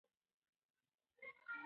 ښوونکی مخکې درس تشریح کړی و.